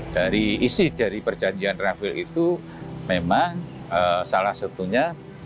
dari isi dari perjanjian rafael itu memang salah satunya